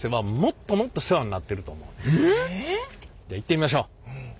じゃあ行ってみましょう。